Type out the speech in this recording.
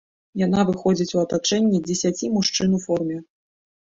Яна выходзіць у атачэнні дзесяці мужчын у форме.